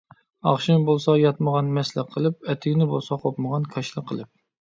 ئاخشىمى بولسا ياتمىغان مەسلە قىلىپ ئەتىگىنى بولسا قوپمىغان كاشىلا قىلىپ